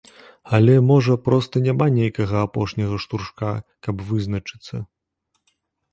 Але, можа, проста няма нейкага апошняга штуршка, каб вызначыцца?